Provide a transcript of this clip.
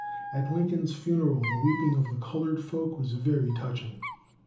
At Lincoln's funeral, the weeping of the coloured folk was very touching.